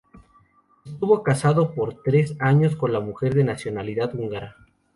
Estuvo casado por tres años con una mujer de nacionalidad húngara.